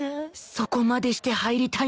そこまでして入りたいのか？